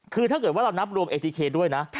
คือถ้าเรานับรวมเอธิเคด้วยนะ